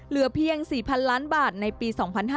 เหลือเพียง๔๐๐๐ล้านบาทในปี๒๕๕๙